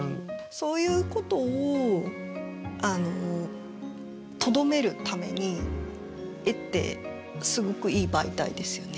そういうことをとどめるために絵ってすごくいい媒体ですよね。